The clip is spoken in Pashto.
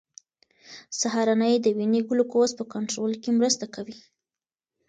سهارنۍ د وینې ګلوکوز په کنټرول کې مرسته کوي.